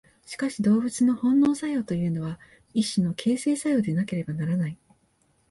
しかし動物の本能作用というのは一種の形成作用でなければならない。